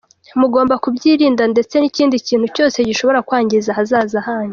Mugomba kubyirinda ndetse n’ikindi kintu cyose gishobora kwangiza ahazaza hanyu."